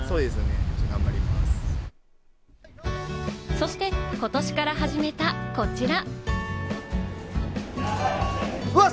そして、ことしから始めたこちら！